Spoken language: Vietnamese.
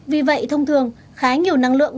vì vậy thông thường khá nhiều năng lượng